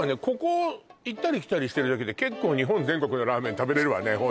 ここ行ったり来たりしてるだけで結構日本全国のラーメン食べれるわね